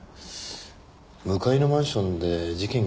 向かいのマンションで事件があったのご存じですか？